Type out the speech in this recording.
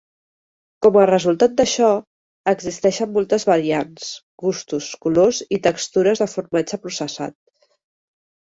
Com a resultat d'això, existeixen moltes variants, gustos, colors i textures de formatge processat.